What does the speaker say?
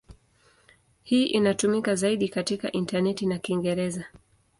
Hii inayotumika zaidi katika intaneti ni Kiingereza.